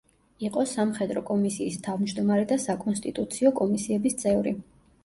იყო სამხედრო კომისიის თავმჯდომარე და საკონსტიტუციო კომისიების წევრი.